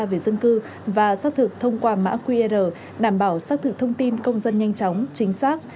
về dân cư và xác thực thông qua mã qr đảm bảo xác thực thông tin công dân nhanh chóng chính xác